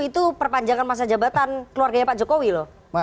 itu perpanjangan masa jabatan keluarganya pak jokowi loh